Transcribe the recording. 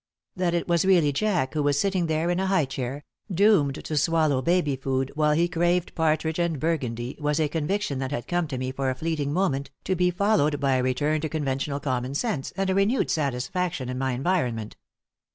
That it was really Jack who was sitting there in a high chair, doomed to swallow baby food while he craved partridge and Burgundy was a conviction that had come to me for a fleeting moment, to be followed by a return to conventional common sense and a renewed satisfaction in my environment.